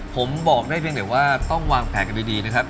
ผมบอกได้เพียงแต่ว่าต้องวางแผนกันดีนะครับ